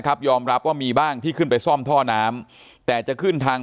ยอมรับว่ามีบ้างที่ขึ้นไปซ่อมท่อน้ำแต่จะขึ้นทาง